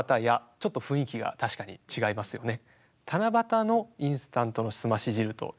ちょっと雰囲気が確かに違いますよね。